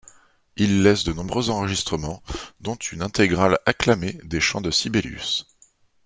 Il laisse de nombreux enregistrements, dont une intégrale acclamée des chants de Sibelius.